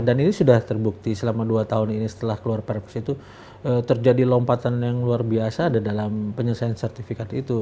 dan ini sudah terbukti selama dua tahun ini setelah keluar prps itu terjadi lompatan yang luar biasa ada dalam penyelesaian sertifikat itu